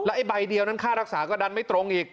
ไอ้ใบเดียวนั้นค่ารักษาก็ดันไม่ตรงอีก